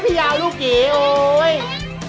พี่ยาลูกหญิง